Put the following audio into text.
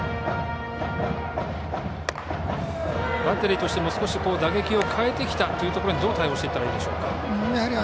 バッテリーとしても打撃を変えてきたところにどう対応していったらいいでしょうか。